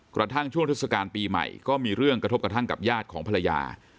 กระทั่งช่วงเทศกาลปีใหม่ก็มีเรื่องกระทบกระทั่งกับญาติของภรรยา